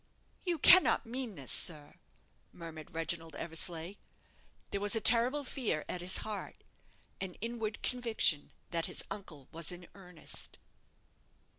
"You cannot mean this, sir?" murmured Reginald Eversleigh. There was a terrible fear at his heart an inward conviction that his uncle was in earnest.